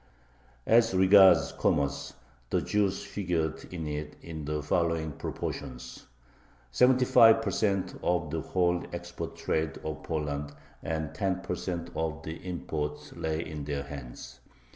As regards commerce, the Jews figured in it in the following proportions: 75% of the whole export trade of Poland and 10% of the imports lay in their hands.